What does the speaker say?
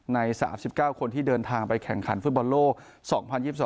ใน๓๙คนที่เดินทางไปแข่งขันฟุตบอลโลก๒๐๒๒